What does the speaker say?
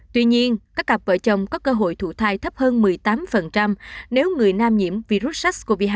tuy nhiên các cặp vợ chồng có cơ hội thụ thai thấp hơn một mươi tám nếu người nam nhiễm virus sars cov hai